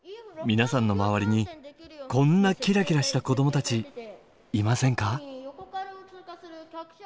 皆さんの周りにこんなキラキラした子どもたちいませんか？